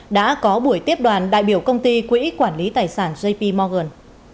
đã có buổi tiếp đoàn đại biểu công ty quỹ quản lý tài sản jp morgan